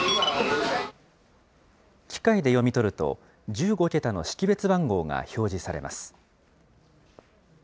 機械で読み取ると、１５桁の識別番号が表示されます。